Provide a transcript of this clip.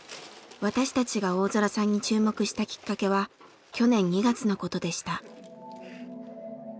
私たちが大空さんに注目したきっかけは去年２月のことでした。